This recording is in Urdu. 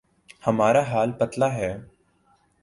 ہمارا حال پتلا ہے۔